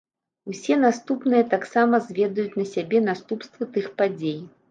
Усе наступныя таксама зведаюць на сабе наступствы тых падзей.